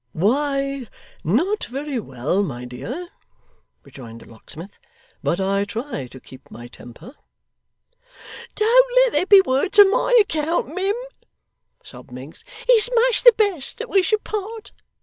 'Why, not very well, my dear,' rejoined the locksmith, 'but I try to keep my temper.' 'Don't let there be words on my account, mim,' sobbed Miggs. 'It's much the best that we should part.